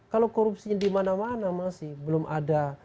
kalau korupsinya di mana mana masih belum ada